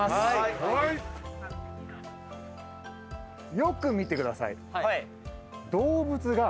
よく見てください。